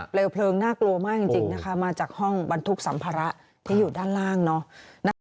เพลิงน่ากลัวมากจริงนะคะมาจากห้องบรรทุกสัมภาระที่อยู่ด้านล่างเนาะ